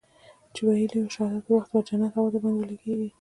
چې ويلي يې وو د شهادت پر وخت به د جنت هوا درباندې ولګېږي.